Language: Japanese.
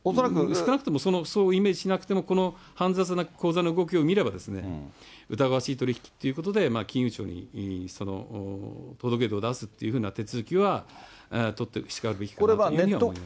少なくとも、それをイメージしなくても、この煩雑な口座の動きを見ればですね、疑わしい取り引きってことで、金融庁に届け出を出すっていうふうな手続きは取ってしかるべきかなというふうに思います。